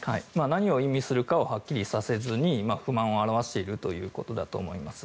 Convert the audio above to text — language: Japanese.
何を意味するかをはっきりさせずに不満を表しているということだと思います。